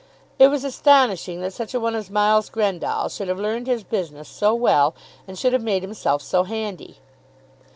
It was astonishing that such a one as Miles Grendall should have learned his business so well and should have made himself so handy!